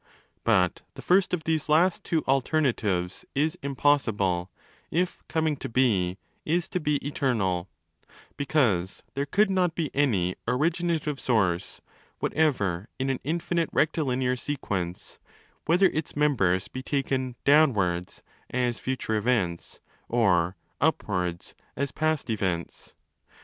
But the first of these last two alternatives is impossible if coming to be is to be eternal, because there could not be any 'originative source' whatever in an infinite rectilinear sequence, whether its members be taken 'down wards' (as future events) or 'upwards' (as past events).